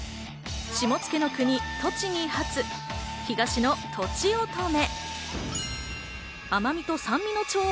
下野の国・栃木発、東のとちおとめ。